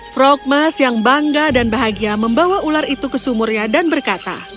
frogmas yang bangga dan bahagia membawa ular itu ke sumurnya dan berkata